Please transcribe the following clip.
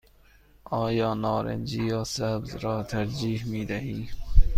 آیا نارنجی یا سبز را ترجیح می دهی؟